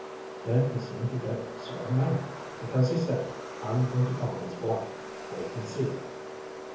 Then he seemed to get sort of mad, too, because he said, 'I'm going to call his bluff. Wait and see.'"